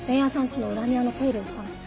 家の裏庭の手入れをしたの。